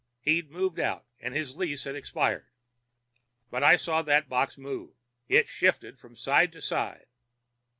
He'd moved out, and his lease had expired. But I saw that box move. It shifted from side to side.